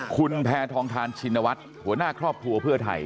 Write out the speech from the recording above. คุณแพทองทานชินวัฒน์หัวหน้าครอบครัวเพื่อไทย